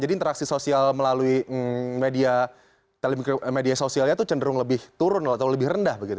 jadi interaksi sosial melalui media sosialnya itu cenderung lebih turun atau lebih rendah begitu